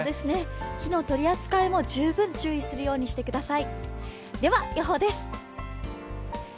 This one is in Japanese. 火の取り扱いも十分注意するようにしてください。